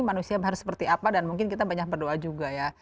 manusia harus seperti apa dan mungkin kita banyak berdoa juga ya